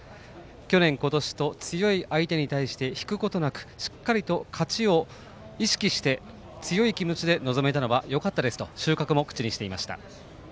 去年、今年と強い相手に対して引くことなくしっかり勝ちを意識して強い気持ちで臨めたのはよかったと話していました。